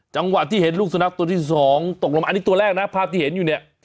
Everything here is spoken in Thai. จังหวะที่เห็นลูกสุนัขตัวที่สองตกลงอันนี้ตัวแรกนะภาพที่เห็นอยู่เนี่ย